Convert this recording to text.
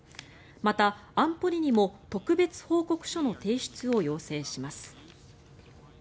また、安保理にも特別報告書の提出を要請します。